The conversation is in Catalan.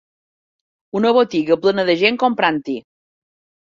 Una botiga plena de gent comprant-hi.